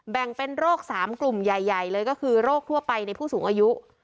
แบ่งเป็นโรค๓กลุ่มใหญ่เลยก็คือโรคทั่วไปในผู้สูงอายุ